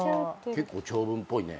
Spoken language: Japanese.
結構長文っぽいね。